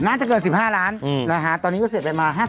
น่าจะเกิน๑๕ล้านตอนนี้ก็เสร็จมา๕๐แล้ว